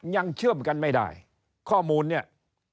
เชื่อมกันไม่ได้ข้อมูลเนี่ย